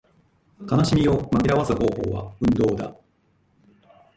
悲しみを紛らわす方法は運動だ